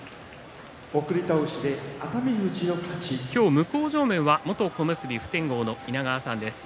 向正面は元小結普天王の稲川さんです。